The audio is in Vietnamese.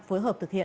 phối hợp thực hiện